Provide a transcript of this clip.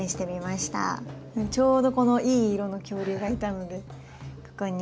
ちょうどこのいい色の恐竜がいたのでここに。